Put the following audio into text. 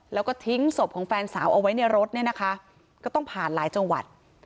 แล้วก็ทิ้งศพของแฟนสาวเอาไว้ในรถเนี่ยนะคะก็ต้องผ่านหลายจังหวัด